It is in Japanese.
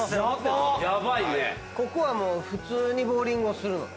ここは普通にボウリングをするのね？